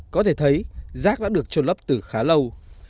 có thể thấy rác đã được trôn lấp từ khá lâu